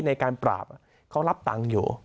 ในการปราบเขารับตังค์อยู่